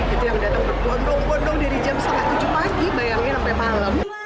itu yang datang berbondong bondong dari jam setengah tujuh pagi bayangin sampai malam